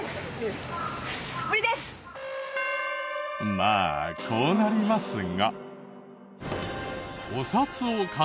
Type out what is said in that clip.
まあこうなりますが。